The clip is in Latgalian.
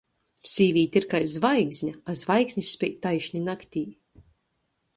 Sīvīte ir kai zvaigzne, a zvaigznis speid taišni naktī.